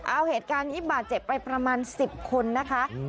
เอาเหตุการณ์นี้บาดเจ็บไปประมาณ๑๐คนนะคะ